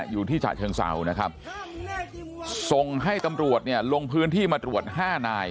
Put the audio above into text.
อยู่ที่ฉะเชิงเศร้านะครับส่งให้ตำรวจเนี่ยลงพื้นที่มาตรวจห้านาย